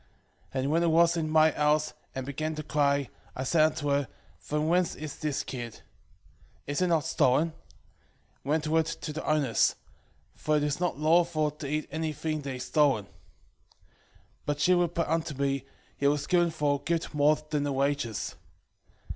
2:13 And when it was in my house, and began to cry, I said unto her, From whence is this kid? is it not stolen? render it to the owners; for it is not lawful to eat any thing that is stolen. 2:14 But she replied upon me, It was given for a gift more than the wages.